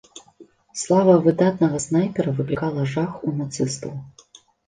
Слава выдатнага снайпера выклікала жах у нацыстаў.